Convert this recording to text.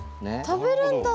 食べるんだ。